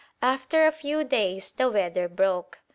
After a few days the weather broke.